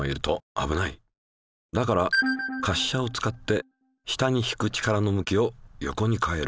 だから滑車を使って下に引く力の向きを横に変える。